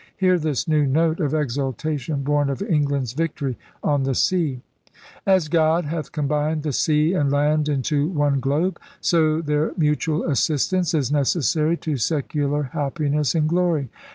Hear this new note of exultation born of England's victory on the sea: As God hath combined the sea and land into one globe, so their mutual assistance is necessary to secular happiness and glory.